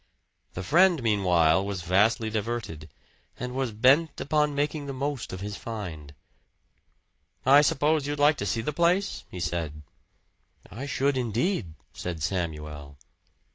The friend meanwhile was vastly diverted, and was bent upon making the most of his find. "I suppose you'd like to see the place?" he said. "I should, indeed," said Samuel.